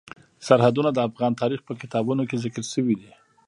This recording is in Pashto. سرحدونه د افغان تاریخ په کتابونو کې ذکر شوی دي.